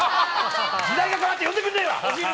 時代が変わって呼んでくれないわ！